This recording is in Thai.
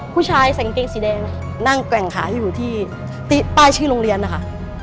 ผู้ชายใส่กางเกงสีแดงค่ะ